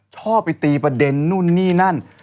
ชอบไปตีประเด็นนู่นนี่นั่น